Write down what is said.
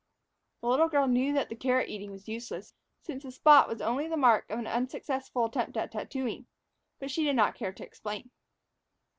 The little girl knew that the carrot eating was useless, since the spot was only the mark of an unsuccessful attempt at tattooing; but she did not care to explain.